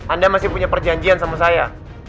anda masih punya perjanjian sama saya